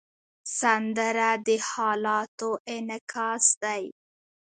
سندره د حالاتو انعکاس دی